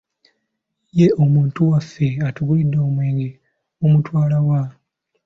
Ye omuntu waffe atugulidde omwenge mumutwala wa?